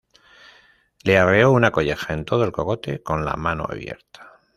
Le arreó una colleja en todo el cogote con la mano abierta